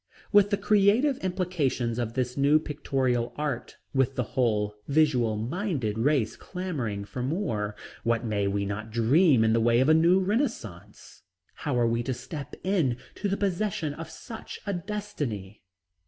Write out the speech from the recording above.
With the creative implications of this new pictorial art, with the whole visual minded race clamoring for more, what may we not dream in the way of a new renaissance? How are we to step in to the possession of such a destiny?